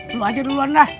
lu aja duluan lah